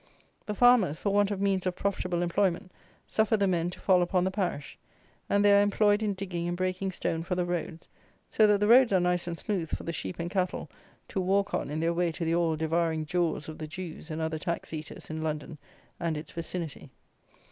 The farmers, for want of means of profitable employment, suffer the men to fall upon the parish; and they are employed in digging and breaking stone for the roads; so that the roads are nice and smooth for the sheep and cattle to walk on in their way to the all devouring jaws of the Jews and other tax eaters in London and its vicinity.